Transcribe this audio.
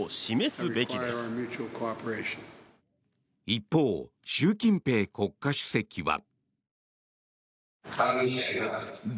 一方、習近平国家主席は。